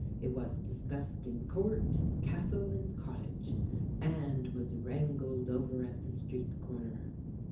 It was discussed in Court and castle and cottage, and was wrangled over at the street corner.